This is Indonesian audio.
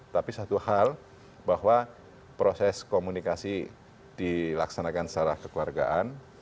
tapi satu hal bahwa proses komunikasi dilaksanakan secara kekeluargaan